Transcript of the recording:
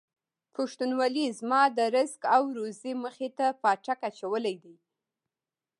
پښتونولۍ زما د رزق او روزۍ مخې ته پاټک اچولی دی.